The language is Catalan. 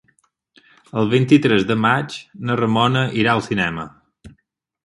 El vint-i-tres de maig na Ramona irà al cinema.